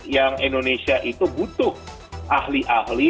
yang indonesia itu butuh ahli ahli